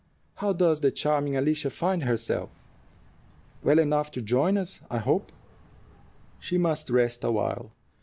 "How does the charming Alicia find herself? Well enough to join us, I hope." "She must rest awhile.